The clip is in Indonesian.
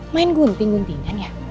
main gunting guntingan ya